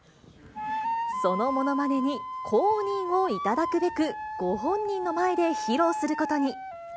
そのものまねに公認を頂くべく、ご本人の前で披露することに。